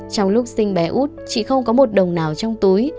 trong lúc sinh bé út chị không có một đồng nào trong túi